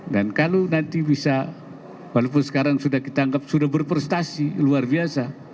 dan kalau nanti bisa walaupun sekarang sudah kita anggap sudah berprestasi luar biasa